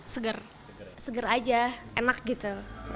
segar segar aja enak gitu